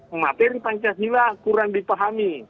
mematikan pancasila kurang dipahami